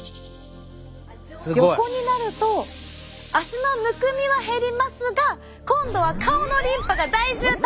横になると足のむくみは減りますが今度は顔のリンパが大渋滞！